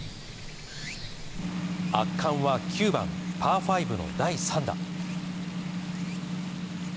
圧巻は９番、パー５の第３打。